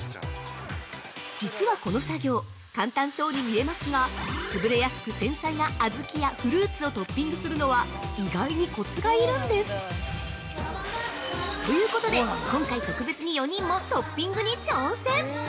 実はこの作業簡単そうに見えますが、潰れやすく繊細な小豆やフルーツをトッピングするのは意外にコツが要るんです。ということで、今回特別に４人もトッピングに挑戦！